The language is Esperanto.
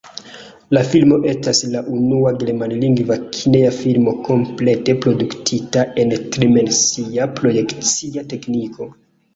La filmo estas la unua germanlingva kineja filmo komplete produktita en tridimensia projekcia tekniko.